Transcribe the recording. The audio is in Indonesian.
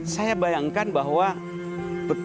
saya bayangkan bahwa betul